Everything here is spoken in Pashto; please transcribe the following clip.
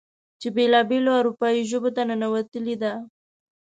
چې بېلا بېلو اروپايې ژبو ته ننوتلې ده.